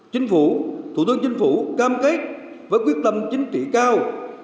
chính phủ thủ tướng chính phủ cam kết với quyết tâm chính trị cao